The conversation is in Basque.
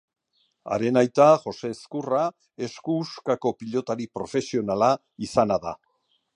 Haren aita, Jose Ezkurra, esku huskako pilotari profesionala izana da.